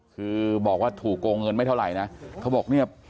คือบอกว่าถูกโกงเงินไม่เท่าไหร่นะเขาบอกเนี่ย